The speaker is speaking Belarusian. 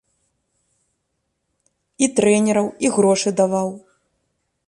І трэнераў, і грошы даваў.